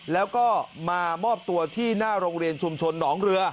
แล้วก็มามอบตัวที่หน้าโรงเรียนชุมชนหนองเรือ